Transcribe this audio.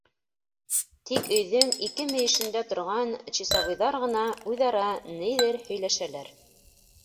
Тик өйҙөң ике мөйөшөндә торған часовойҙар ғына үҙ-ара ниҙер һөйләшәләр.